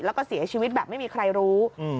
แล้วก็เสียชีวิตแบบไม่มีใครรู้